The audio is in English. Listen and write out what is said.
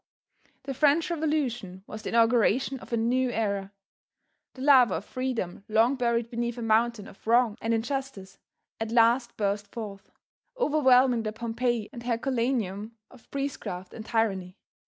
The French Revolution was the inauguration of a new era. The lava of freedom long buried beneath a mountain of wrong and injustice at last burst forth, overwhelming the Pompeii and Herculaneum of priestcraft and tyranny.